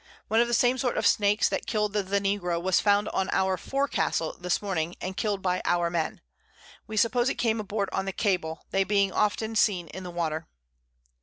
One of the same sort of Snakes that kill'd the Negro was found on our Forecastle this Morning, and kill'd by our Men; we suppose it came aboard on the Cable, they being often seen in the Water.